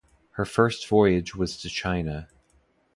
Her first voyage was to China.